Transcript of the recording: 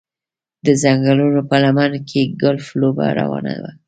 د ځنګلونو په لمنه کې ګلف لوبه روانه وه